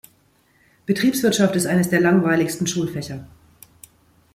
Betriebswirtschaft ist eines der langweiligsten Schulfächer.